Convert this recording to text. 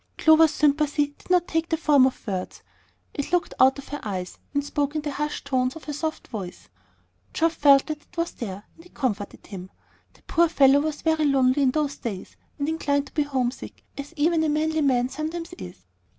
Clover's sympathy did not take the form of words. It looked out of her eyes, and spoke in the hushed tones of her soft voice. Geoff felt that it was there, and it comforted him. The poor fellow was very lonely in those days, and inclined to be homesick, as even a manly man sometimes is.